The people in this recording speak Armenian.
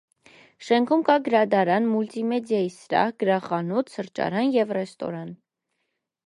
Շենքում կա գրադարան, մուլտիմեդիայի սրահ, գրախանութ, սրճարան և ռեստորան։